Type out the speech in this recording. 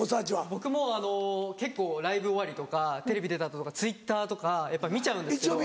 僕もあの結構ライブ終わりとかテレビ出た後とかＴｗｉｔｔｅｒとかやっぱり見ちゃうんですけど。